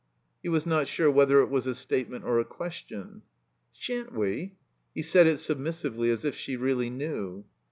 / He was not sure whether it was a statement or a question. "Sha'n't we?" He said it submissively, as if she really knew.